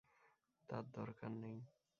তার দরকার নেই।